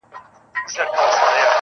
جوړ يمه گودر يم ماځيگر تر ملا تړلى يم.